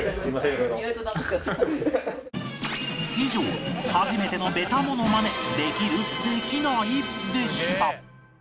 以上初めてのベタものまねできる？できない？でした